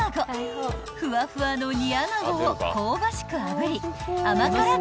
［ふわふわの煮穴子を香ばしくあぶり甘辛